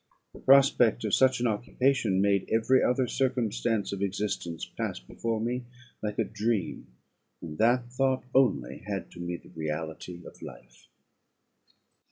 The prospect of such an occupation made every other circumstance of existence pass before me like a dream; and that thought only had to me the reality of life.